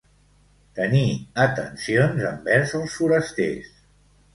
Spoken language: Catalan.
Tenir atencions envers els forasters.